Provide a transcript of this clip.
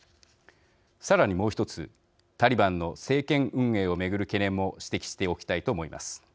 さらに、もう１つタリバンの政権運営を巡る懸念も指摘しておきたいと思います。